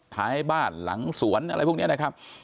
ท้ายบ้านหลังสวนอะไรพวกนี้นะครับ